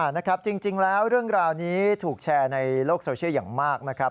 นะครับจริงแล้วเรื่องราวนี้ถูกแชร์ในโลกโซเชียลอย่างมากนะครับ